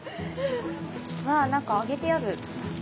わあなんか揚げてある。